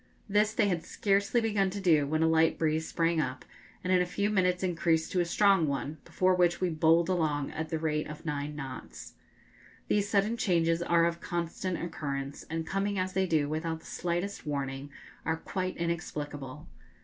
This they had scarcely begun to do when a light breeze sprang up, and in a few minutes increased to a strong one, before which we bowled along at the rate of nine knots. These sudden changes are of constant occurrence, and, coming as they do without the slightest warning, are quite inexplicable.